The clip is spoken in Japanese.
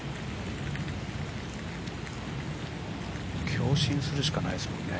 強振するしかないですもんね。